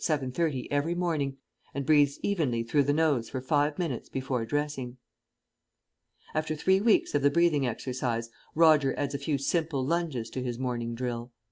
30 every morning and breathes evenly through the nose for five minutes before dressing. After three weeks of the breathing exercise, Roger adds a few simple lunges to his morning drill.